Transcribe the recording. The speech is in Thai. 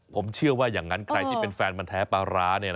ผมเชื่อว่าอย่างนั้นใครที่เป็นแฟนมันแท้ปลาร้า